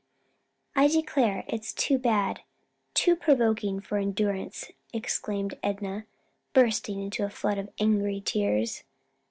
"I declare it's too bad! too provoking for endurance!" exclaimed Enna, bursting into a flood of angry tears.